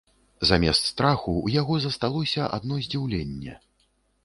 Замест страху ў яго засталося адно здзіўленне.